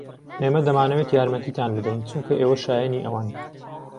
ئێمە دەمانەوێت یارمەتیتان بدەین چونکە ئێوە شایەنی ئەوەن.